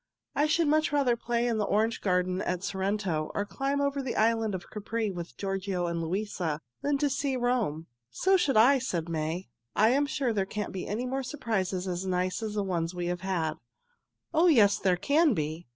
"I should much rather play in the orange garden at Sorrento or climb over the island of Capri with Giorgio and Luisa than to see Rome." "So should I!" said May. "I am sure there can't be any more surprises as nice as the ones we have had." "Oh, yes, there can be!"